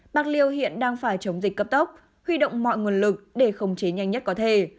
bạc liêu hiện đang phải chống dịch cấp tốc huy động mọi nguồn lực để khống chế nhanh nhất có thể